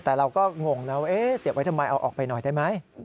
แต่เราก็งงนะว่าเสียบไว้ทำไมเอาออกไปหน่อยได้ไหม